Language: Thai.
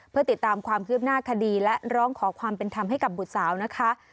เพื่อติดตามความคืบหน้าคดีและร้องขอความเป็นธรรมให้กับบุตรสาวนะคะ